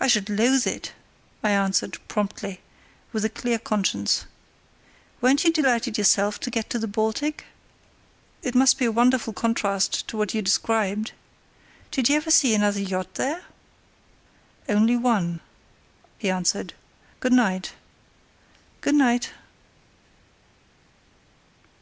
"I should loathe it," I answered, promptly, with a clear conscience. "Weren't you delighted yourself to get to the Baltic? It must be a wonderful contrast to what you described. Did you ever see another yacht there?" "Only one," he answered. "Good night!" "Good night!"